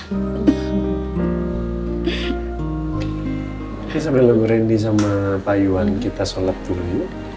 oke sambil ngerendi sama payuan kita sholat dulu